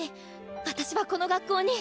私はこの学校に！